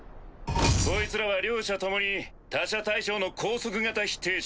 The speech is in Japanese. こいつらは両者共に他者対象の拘束型否定者。